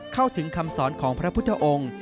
เข้าถึงคำสอนของพระพุทธองค์